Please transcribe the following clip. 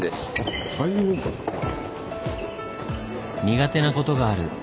苦手なことがある。